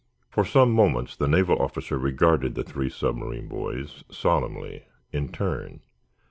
For some moments the naval officer regarded the three submarine boys, solemnly, in turn.